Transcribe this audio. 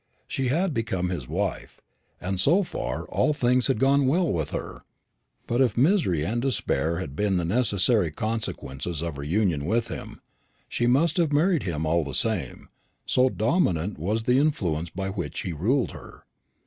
She had become his wife, and so far all things had gone well with her; but if misery and despair had been the necessary consequences of her union with him, she must have married him all the same, so dominant was the influence by which he ruled her.